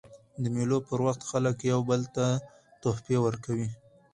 د مېلو پر وخت خلک یو بل ته تحفې ورکوي.